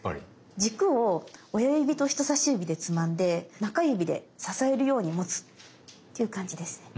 軸を親指と人さし指でつまんで中指で支えるように持つっていう感じですね。